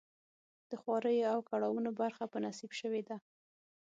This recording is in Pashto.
د خواریو او کړاوونو برخه په نصیب شوې ده.